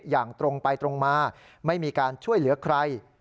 อย่างตรงไปตรงมาไม่มีการช่วยเหลือใคร